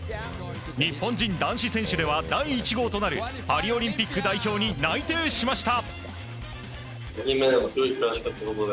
日本人男子選手では第１号となるパリオリンピック代表に内定しました。